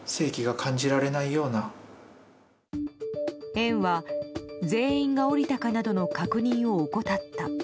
園は、全員が降りたかなどの確認を怠った。